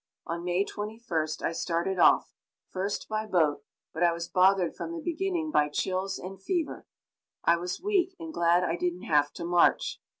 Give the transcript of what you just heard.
On May 21st I started off, first by boat, but I was bothered from the beginning by chills and fever. I was weak, and glad I didn't have to march.